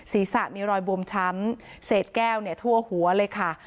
ศีรษะมีรอยบวมช้ำเศษแก้วทั่วหัวเลยค่ะ